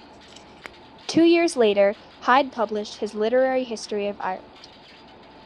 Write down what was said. Two years later Hyde published his "Literary history of Ireland".